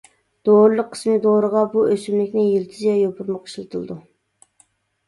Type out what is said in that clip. دورىلىق قىسمى دورىغا بۇ ئۆسۈملۈكنىڭ يىلتىزى ۋە يوپۇرمىقى ئىشلىتىلىدۇ.